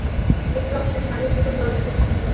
বিক্রম কোন মাগীর জীবন বরবাদ করছে তাহলে?